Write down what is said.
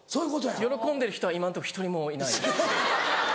喜んでる人は今のところ１人もいない。